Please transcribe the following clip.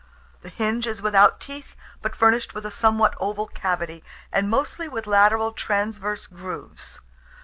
The hinge is without teeth, but furnished with a somewhat oval cavity, and mostly with lateral transverse grooves.